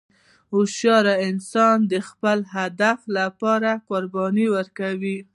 هوښیار انسان د خپل هدف لپاره قرباني ورکوي.